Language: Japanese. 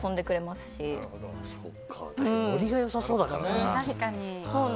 確かにノリが良さそうだからな。